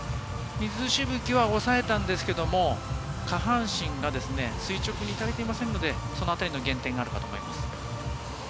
水しぶきは抑えたんですけれども、下半身が垂直に足りていませんので、そのあたりの減点があるかと思います。